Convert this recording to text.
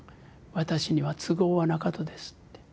私には都合はなかとです。